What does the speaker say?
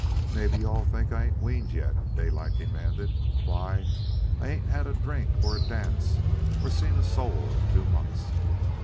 "Mebbe you all think I ain't weaned yet?" Daylight demanded. "Why, I ain't had a drink, or a dance, or seen a soul in two months.